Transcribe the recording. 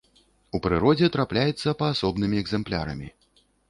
У прыродзе трапляецца паасобнымі экзэмплярамі.